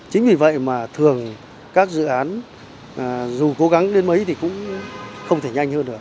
chính vì vậy mà thường các dự án dù cố gắng đến mấy thì cũng không thể nhanh